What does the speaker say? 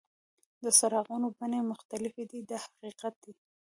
د څراغونو بڼې مختلفې دي دا حقیقت دی.